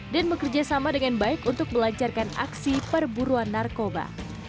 dan bekerja sama dengan baik untuk melancarkan aksi perburuan narkoba